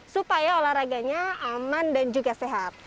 supaya olahraganya aman dan juga sehat